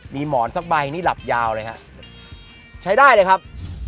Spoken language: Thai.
มีหมอนสักใบนี่หลับยาวเลยฮะใช้ได้เลยครับ